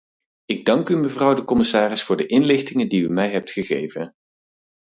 Ik dank u, mevrouw de commissaris, voor de inlichtingen die u mij hebt gegeven.